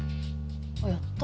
やった！